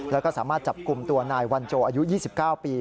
แล้วก็สามารถจับกลุ่มตัวนายวันโจอายุ๒๙ปี